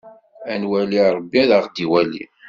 A nwali Ṛebbi, ad aɣ-d-iwali.